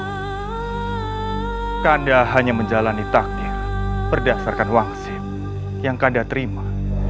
kakanda hanya menjalani takdir berdasarkan wangsit yang kakanda terima